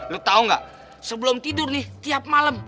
lo tau gak sebelum tidur nih tiap malem